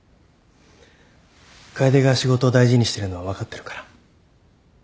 楓が仕事を大事にしてるのは分かってるから。